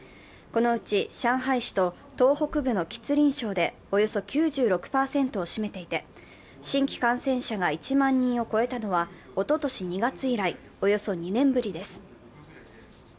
このうち上海市と東北部の吉林省で、およそ９６％を占めていて、新規感染者が１万人を超えたのはおととし２月以来およそ２年ぶりです。